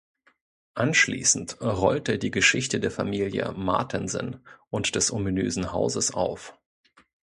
Anschließend rollt er die Geschichte der Familie Martensen und des ominösen Hauses auf.